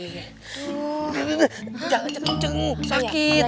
jangan jangan cenguk sakit